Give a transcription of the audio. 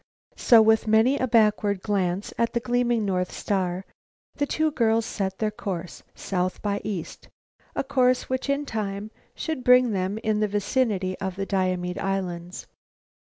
So with many a backward glance at the gleaming North Star, the two girls set their course south by east, a course which in time should bring them in the vicinity of the Diomede Islands.